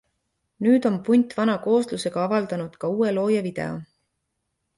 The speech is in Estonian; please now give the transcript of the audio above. Nüüd on punt vana kooslusega avaldanud ka uue loo ja video.